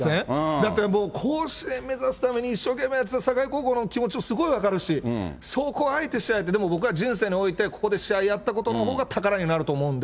だって、甲子園目指すために、一生懸命やってた境高校の気持ちもすごい分かるし、そこをあえて試合をやって、でも僕は人生において、ここで試合やったことのほうが宝になると思うんで。